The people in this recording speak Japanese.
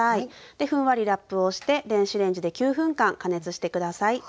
でふんわりラップをして電子レンジで９分間加熱して下さい。